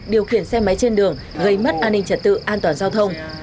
điều khiển xe máy trên đường gây mất an ninh trật tự an toàn giao thông